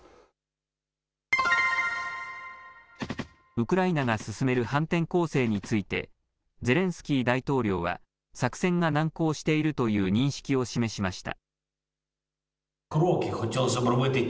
ウクライナが進める反転攻勢についてゼレンスキー大統領は作戦が難航しているという認識を示しました。